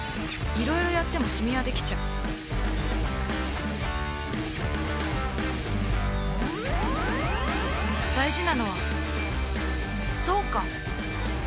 いろいろやってもシミはできちゃう大事なのはそうか！